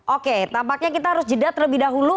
oke tampaknya kita harus jeda terlebih dahulu